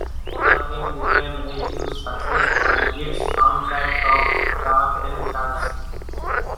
The film became a huge success and its soundtrack topped the French charts.